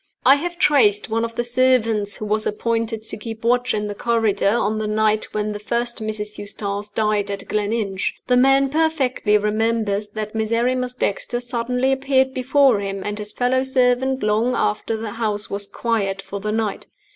"I have traced one of the servants who was appointed to keep watch in the corridor on the night when the first Mrs. Eustace died at Gleninch. The man perfectly remembers that Miserrimus Dexter suddenly appeared before him and his fellow servant long after the house was quiet for the night.